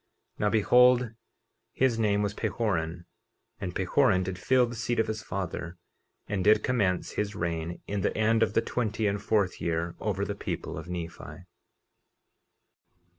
50:40 Now behold, his name was Pahoran. And Pahoran did fill the seat of his father, and did commence his reign in the end of the twenty and fourth year, over the people of Nephi.